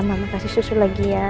mama kasih susu lagi ya